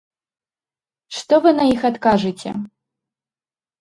Што вы на іх адкажыце?